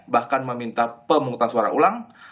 bahkan meminta pemungutan suara ulang